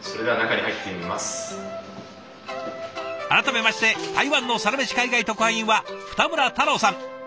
改めまして台湾のサラメシ海外特派員は二村太郎さん。